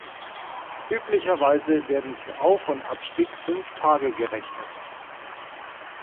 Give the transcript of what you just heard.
Üblicherweise werden für Auf- und Abstieg fünf Tage gerechnet.